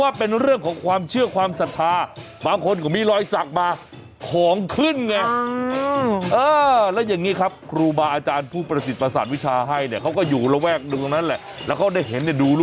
อ้าป่าอ้าป่าหลับก๊าปีนี้อือ